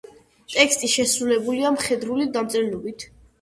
ტექსტი შესრულებულია მხედრული დამწერლობით.